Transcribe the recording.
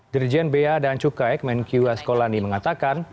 dirijen bea dan cuka ekmenkiweskolani mengatakan